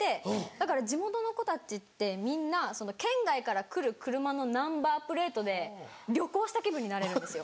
だから地元の子たちってみんな県外から来る車のナンバープレートで旅行した気分になれるんですよ。